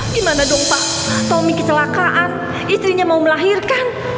gimana dong pak tommy kecelakaan istrinya mau melahirkan